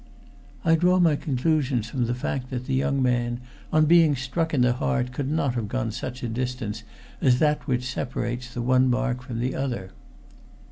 "I draw my conclusion from the fact that the young man, on being struck in the heart, could not have gone such a distance as that which separates the one mark from the other."